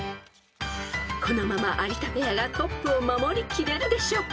［このまま有田ペアがトップを守りきれるでしょうか］